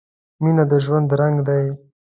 • مینه د ژوند رنګ دی.